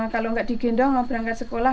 kalau nggak digendong mau berangkat sekolah